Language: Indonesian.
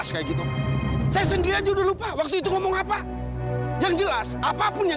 sampai jumpa di video selanjutnya